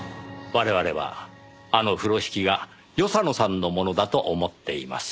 我々はあの風呂敷が与謝野さんのものだと思っています。